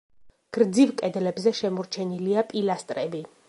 გრძივ კედლებზე შემორჩენილია პილასტრები.